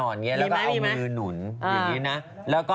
โอลี่คัมรี่ยากที่ใครจะตามทันโอลี่คัมรี่ยากที่ใครจะตามทัน